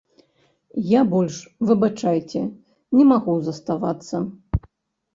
Я больш, выбачайце, не магу заставацца!